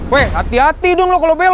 weh hati hati dong lo kalo belok